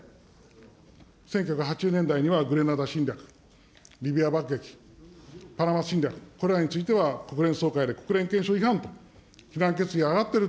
１９８０年代にはグレナダ侵略、リビア爆撃、パナマ侵略、これらについては国連総会で国連憲章違反と非難決議があがっている。